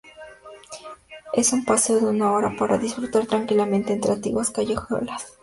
Es un paseo de una hora para disfrutar tranquilamente entre antiguas callejuelas.